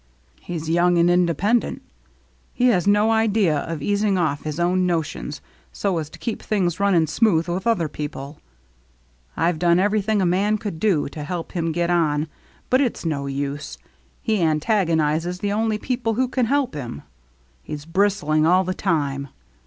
" He's young, and independent. He has no idea of easing off his own notions so as to keep things running smooth with other peo ple. I've done everything a man could to help him get on, but it's no use ; he antago nizes the only people who can help him. He's bristling all the time.